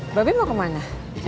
bapak be mau kemana